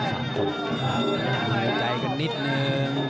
ต้องต้องโดยใจกันนิดนึง